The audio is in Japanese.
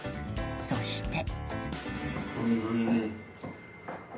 そして。